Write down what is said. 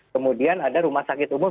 kemudian ada rumah sakit umum